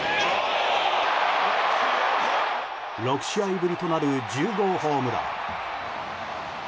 ６試合ぶりとなる１０号ホームラン。